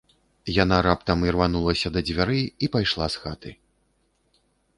Яна раптам ірванулася да дзвярэй і пайшла з хаты.